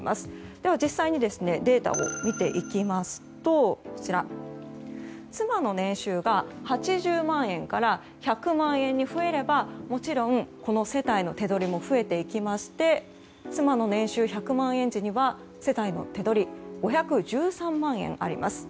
では実際にデータを見ていきますと妻の年収が８０万円から１００万円に増えればもちろんこの世帯の手取りも増えていきまして妻の年収１００万円時には世帯の手取り５１３万円あります。